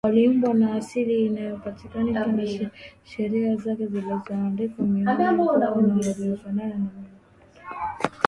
Waliumbwa na asili inayopatana na Sheria zake zilizoandikwa Mioyoni kwao na walifanana na Mungu